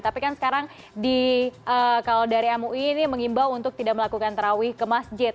tapi kan sekarang kalau dari mui ini mengimbau untuk tidak melakukan terawih ke masjid